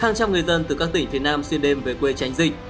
hàng trăm người dân từ các tỉnh phía nam xuyên đêm về quê tránh dịch